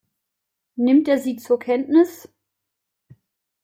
Nimmt er sie zur Kenntnis?